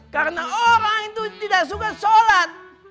karena orang itu tidak suka sholat